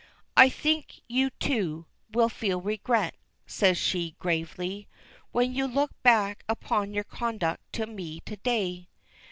"I think you, too, will feel regret," says she, gravely, "when you look back upon your conduct to me to day."